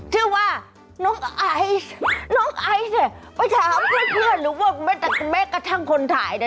ชื่อว่าน้องไอซ์น้องไอซ์เนี่ยไปถามเพื่อนหรือว่าแม่กระทั่งคนไทย